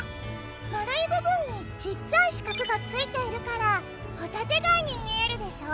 円い部分にちっちゃい四角がついているからホタテ貝に見えるでしょ。